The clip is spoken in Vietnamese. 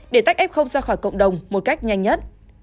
để tách f ra khỏi cộng đồng một cách nhanh nhất